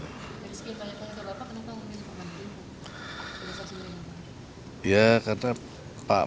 dari sekitarnya pak yudin kenapa mengunduh pak yudin